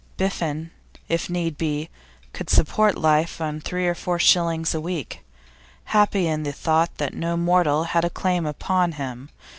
Biffen, if need be, could support life on three or four shillings a week, happy in the thought that no mortal had a claim upon him.